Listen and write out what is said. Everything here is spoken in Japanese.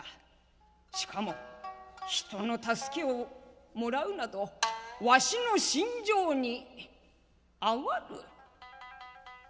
しかも人の助けをもらうなどわしの信条に合わぬ」。